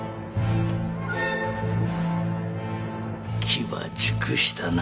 機は熟したな。